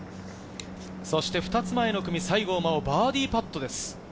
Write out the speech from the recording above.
そして２つ前の組、西郷真央、バーディーパットです。